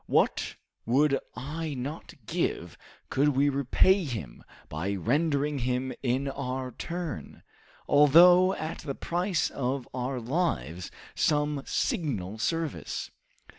What would I not give could we repay him, by rendering him in our turn, although at the price of our lives, some signal service!"